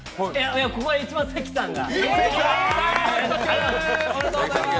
ここは一番、関さんが。